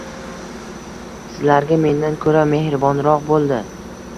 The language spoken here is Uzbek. Sizlarga mendan ko'ra mehribonroq bo'ldi.